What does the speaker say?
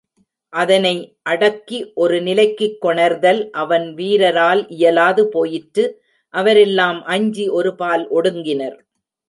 அதனை அடக்கி ஒரு நிலைக்குக் கொணர்தல், அவன் வீரரால் இயலாது போயிற்று அவரெல்லாம் அஞ்சி, ஒருபால் ஒடுங்கினர்.